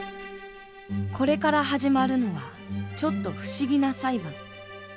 これから始まるのはちょっと不思議な裁判。